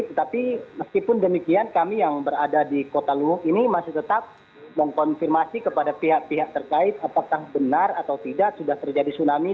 tetapi meskipun demikian kami yang berada di kota luwung ini masih tetap mengkonfirmasi kepada pihak pihak terkait apakah benar atau tidak sudah terjadi tsunami